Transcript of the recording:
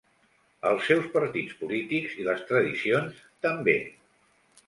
Els seus partits polítics i les tradicions també.